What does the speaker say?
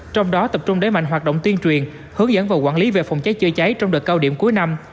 trong đó tập trung đẩy mạnh hoạt động tuyên truyền hướng dẫn và quản lý về phòng cháy chữa cháy trong đợt cao điểm cuối năm